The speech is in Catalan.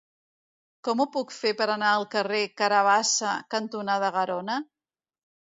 Com ho puc fer per anar al carrer Carabassa cantonada Garona?